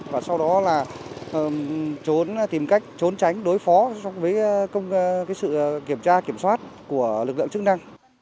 và sau đó là tìm cách trốn tránh đối phó với sự kiểm tra kiểm soát của lực lượng chức năng